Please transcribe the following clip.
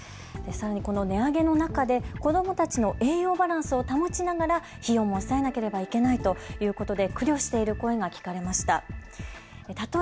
さらにこの値上げの中で子どもたちの栄養バランスを保ちながら費用も抑えなければいけないということで苦慮している声が聞かれました。